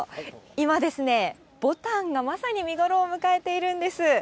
今ですね、ぼたんがまさに見頃を迎えているんです。